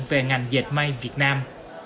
về ngành dạch may việt nam